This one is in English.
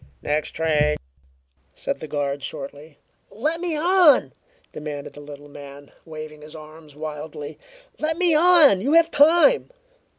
"Next train," said the guard shortly. "Let me on!" demanded the little man, waving his arms wildly. "Let me on! You have time!"